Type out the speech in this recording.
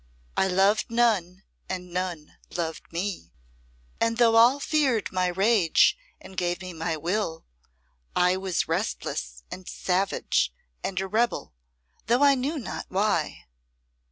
I loved none and none loved me, and though all feared my rage and gave me my will, I was restless and savage and a rebel, though I knew not why.